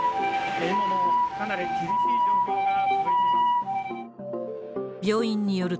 今もかなり厳しい状況が続いています。